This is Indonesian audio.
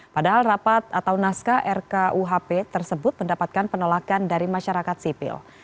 padahal rapat atau naskah rkuhp tersebut mendapatkan penolakan dari masyarakat sipil